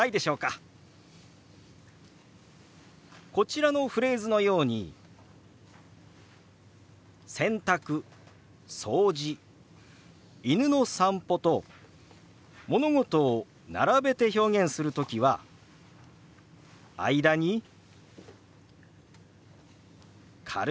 こちらのフレーズのように「洗濯」「掃除」「犬の散歩」と物事を並べて表現する時は間に軽いうなずきを入れます。